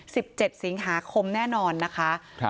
สิบเจ็ดสิงหาคมแน่นอนนะคะครับ